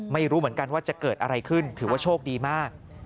ไม่รู้เหมือนกันว่าจะเกิดอะไรขึ้นถือว่าโชคดีมาก